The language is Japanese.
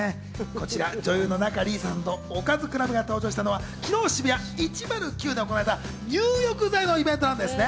こちら、女優の仲里依紗さんとおかずクラブが登場したのは昨日、ＳＨＩＢＵＹＡ１０９で行われた入浴剤のイベントなんですね。